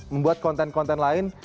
membuat konten konten lain